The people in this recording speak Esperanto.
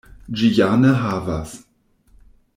Ĝi ja ne havas!